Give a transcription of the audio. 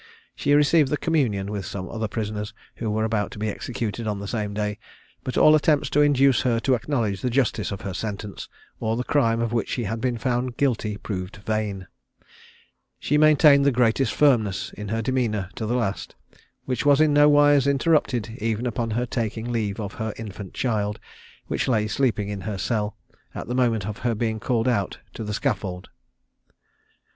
She received the communion with some other prisoners, who were about to be executed on the same day, but all attempts to induce her to acknowledge the justice of her sentence, or the crime of which she had been found guilty, proved vain. She maintained the greatest firmness in her demeanour to the last, which was in no wise interrupted even upon her taking leave of her infant child, which lay sleeping in her cell, at the moment of her being called out to the scaffold.